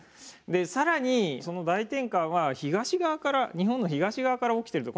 更にその大転換は東側から日本の東側から起きてると。